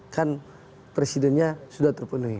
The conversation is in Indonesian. kan presidennya sudah terpenuhi